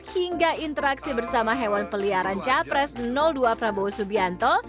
hingga interaksi bersama hewan peliharaan capres dua prabowo subianto